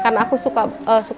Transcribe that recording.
akhirnya kan aku suka baca buku